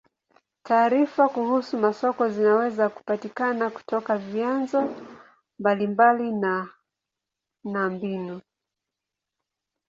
Taarifa kuhusu masoko zinaweza kupatikana kutoka vyanzo mbalimbali na na mbinu.